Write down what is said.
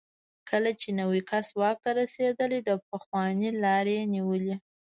کله چې نوی کس واک ته رسېدلی، د پخواني لار یې نیولې.